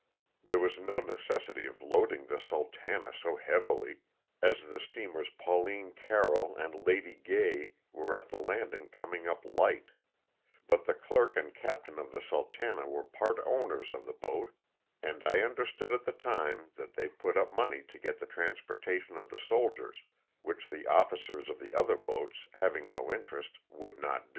There was no neces sity of loading the '' Sultana '' so heavily, as the steam ers *' Pauline Carroll'' and ^' Lady Gay" were at the landing coming up light, but the clerk and captain of the "Sultana" were part owners of the boat, and I understood at the time that they put up money to get the transportation of the soldiers, which the officers of Ithe other boats, having no interest, would not do.